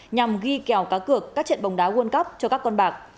nhằm ghi kèo cán cực các trận bóng đá world cup cho các con bạc